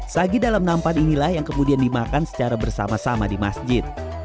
sagi dalam nampan inilah yang kemudian dimakan secara bersama sama di masjid